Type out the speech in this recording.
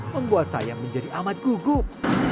membuat saya menjadi amat gugup